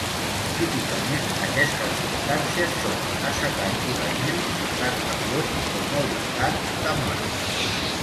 Típicament, aquestes substàncies són acetat d'uranil, citrat de plom o molibdat d'amoni.